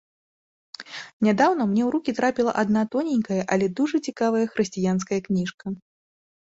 Нядаўна мне ў рукі трапіла адна тоненькая, але дужа цікавая хрысціянская кніжка.